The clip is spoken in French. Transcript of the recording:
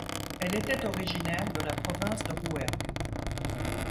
Elle était originaire de la province de Rouergue.